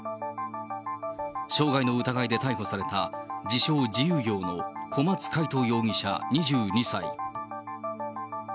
傷害の疑いで逮捕された、自称自由業の小松魁人容疑者２２歳。